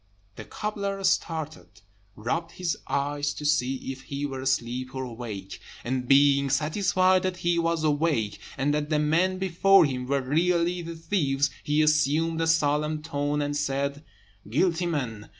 The cobbler started, rubbed his eyes to see if he were asleep or awake; and being satisfied that he was awake, and that the men before him were really the thieves, he assumed a solemn tone, and said: "Guilty men!